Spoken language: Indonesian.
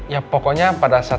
ya pokoknya pada saat